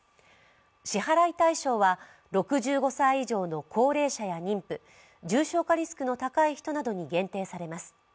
支払い対象は、６５歳以上の高齢者や妊婦、重症化リスクの高い人などに限定されます。